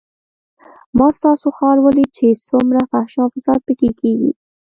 ما ستاسو ښار وليد چې څومره فحشا او فساد پکښې کېږي.